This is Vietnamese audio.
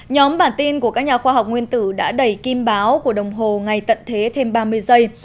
nhóm bản tin của các nhà khoa học nguyên tử đã đầy kim báo của đồng hồ ngày tận thế thêm ba mươi giây